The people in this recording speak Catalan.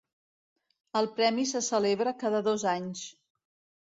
El Premi se celebra cada dos anys.